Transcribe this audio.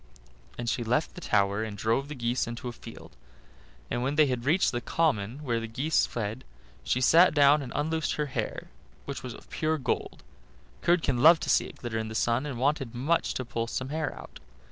Then she left the tower and drove the geese into a field. And when they had reached the common where the geese fed she sat down and unloosed her hair, which was of pure gold. Curdken loved to see it glitter in the sun, and wanted much to pull some hair out.